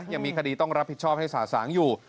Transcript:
ยังมีคดีต้องรับผิดชอบให้สะสางอยู่